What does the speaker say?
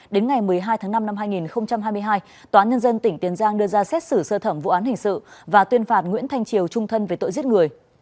đến ngày một mươi hai tháng năm năm hai nghìn hai mươi hai tòa nhân dân tỉnh tiền giang đưa ra xét xử sơ thẩm vụ án hình sự và tuyên phạt nguyễn thanh triều trung thân về tội giết người